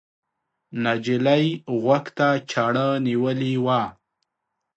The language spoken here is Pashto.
نجلۍ غوږ ته چاړه نیولې وه.